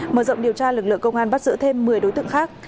mở rộng điều tra lực lượng công an bắt giữ thêm một mươi đối tượng khác